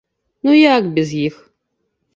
Ну як без іх?